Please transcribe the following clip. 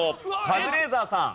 カズレーザーさん。